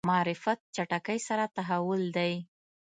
معرفت چټکۍ سره تحول دی.